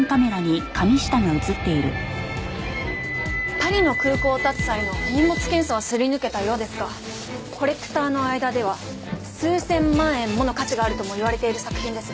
パリの空港を発つ際の手荷物検査はすり抜けたようですがコレクターの間では数千万円もの価値があるとも言われている作品です。